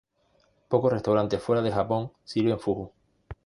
Pocos restaurantes fuera de Japón sirven "fugu".